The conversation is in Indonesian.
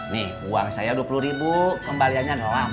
nih uang saya rp dua puluh kembaliannya rp delapan